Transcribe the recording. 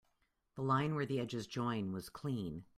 The line where the edges join was clean.